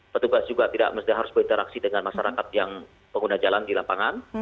petugas juga tidak harus berinteraksi dengan masyarakat yang pengguna jalan di lapangan